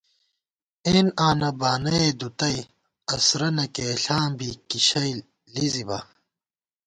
اېن آنہ بانَئےدُتَئی اَسرَہ نہ کېئیېݪاں بی کی شئ لِزِبا